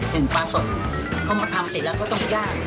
ปลาสดเขามาทำเสร็จแล้วเขาต้องย่าง